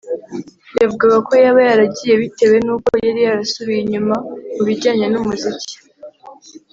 yavugaga ko yaba yaragiye bitewe n’uko yari yarasubiye inyuma mu bijyanye n’umuziki